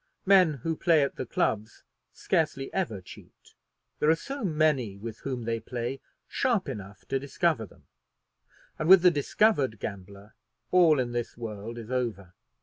Men who play at the clubs scarcely ever cheat, there are so many with whom they play sharp enough to discover them; and with the discovered gambler all in this world is over.